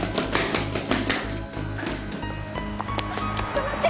止まって！